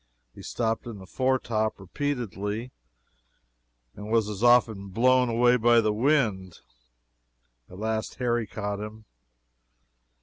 He stopped in the foretop, repeatedly, and was as often blown away by the wind. At last Harry caught him.